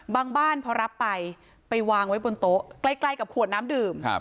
บ้านพอรับไปไปวางไว้บนโต๊ะใกล้กับขวดน้ำดื่ม